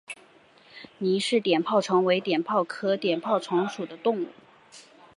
倪氏碘泡虫为碘泡科碘泡虫属的动物。